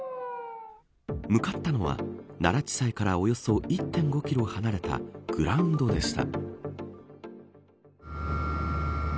向かったのは奈良地裁からおよそ１．５キロ離れたグラウンドでした。